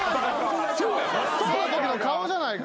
「そっ！」のときの顔じゃないか。